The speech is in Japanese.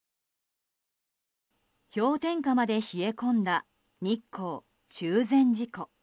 氷点下まで冷え込んだ日光・中禅寺湖。